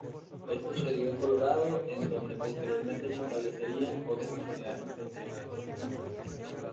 Esto se dio en Colorado en donde posteriormente se establecerían otras comunidades intencionales "hippies".